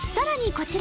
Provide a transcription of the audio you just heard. こちら